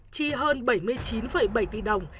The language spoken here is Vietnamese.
chi hơn bảy mươi chín bảy cổ phần tại sarscoe miền bắc